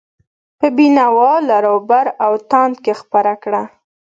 په بینوا، لراوبر او تاند کې خپره کړه.